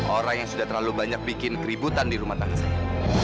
orang yang sudah terlalu banyak bikin keributan di rumah tangga saya